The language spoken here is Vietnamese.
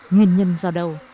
nguyên nhân do đâu